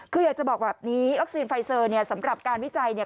คืออยากจะบอกแบบนี้วัคซีนไฟเซอร์เนี่ยสำหรับการวิจัยเนี่ย